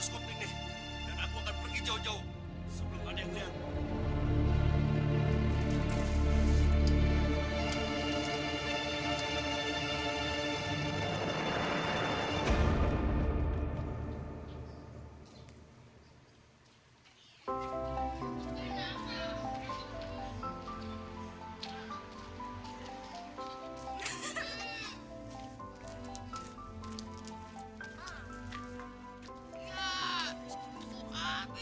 siapa tadi yang mengatakan aku jatuh